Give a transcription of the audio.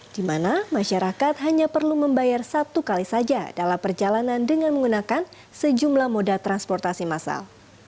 di mana masyarakat hanya perlu membayar satu kali saja dalam perjalanan dengan menggunakan sejumlah moda transportasi masal